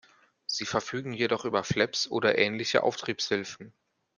Sie verfügen jedoch über Flaps oder ähnliche Auftriebshilfen.